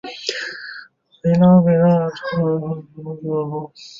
维拉诺瓦足球俱乐部是巴西戈亚尼亚市的一个足球俱乐部。